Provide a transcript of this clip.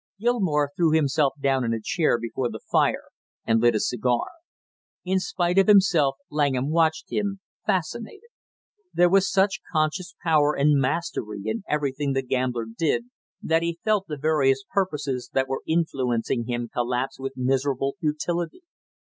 Gilmore threw himself down in a chair before the fire and lit a cigar. In spite of himself Langham watched him, fascinated. There was such conscious power and mastery in everything the gambler did, that he felt the various purposes that were influencing him collapse with miserable futility.